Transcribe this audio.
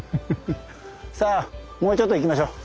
さあもうちょっと行きましょう。